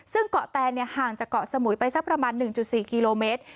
ซึ่งเกาะแตนห่างจากเกาะสมุยไปสักประมาณ๑๔กิโลเมตร